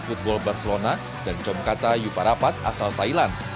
e football barcelona dan jomkata yuparapat asal thailand